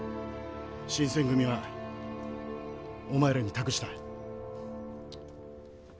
新選組はお前らに託した。